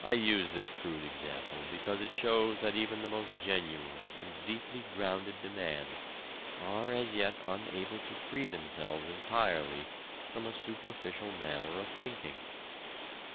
I use this crude example because it shows that even the most genuine and deeply grounded demands are as yet unable to free themselves entirely from a superficial manner of thinking.